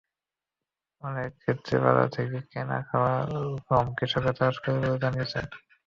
অনেক ক্ষেত্রে বাজার থেকে কেনা খাওয়ার গমও কৃষকেরা চাষ করেন বলে জানিয়েছেন।